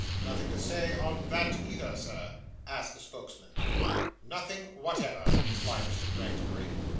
'Nothing to say on that, either, sir?' asked the spokesman. 'Nothing whatever,' replied Mr. Gregsbury.